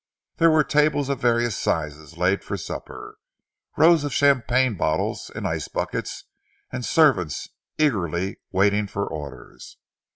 There were tables of various sizes laid for supper, rows of champagne bottles in ice buckets, and servants eagerly waiting for orders.